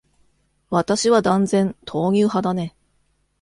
私は断然、豆乳派だね。